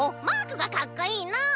マークがかっこいいの！